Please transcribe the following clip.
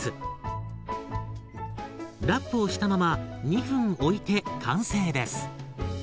ラップをしたまま２分おいて完成です。